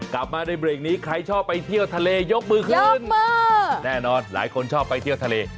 กลับมาในเบรกนี้ใครชอบไปเที่ยวทะเลยกมือขึ้นมาแน่นอนหลายคนชอบไปเที่ยวทะเล